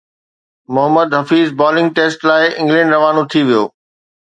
Muhammad Hafeez bowling test لاءِ England روانو ٿي ويو